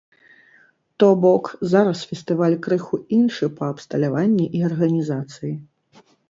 То бок, зараз фестываль крыху іншы па абсталяванні і арганізацыі.